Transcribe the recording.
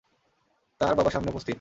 তার বাবা সামনে উপস্থিত!